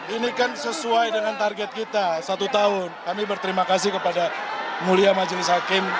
ini kan sesuai dengan target kita satu tahun kami berterima kasih kepada mulia majelis hakim